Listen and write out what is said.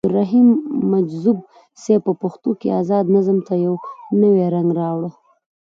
عبدالرحيم مجذوب صيب په پښتو کې ازاد نظم ته يو نوې رنګ راوړو.